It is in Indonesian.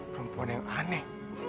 perempuan yang aneh